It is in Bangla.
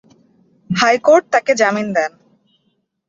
হাইকোর্ট তাকে জামিন দেন।